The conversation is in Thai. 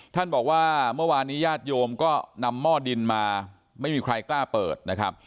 ท่านบอกว่าเมื่อวานนี้ญาติโยมก็นำหม้อดินมาไม่มีใครกล้าเปิดนะครับ